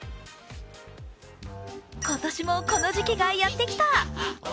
今年もこの時期がやってきた。